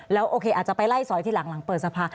แล้วโอเคอาจจะไปไล่สอยทีหลังหลังเปิดสภา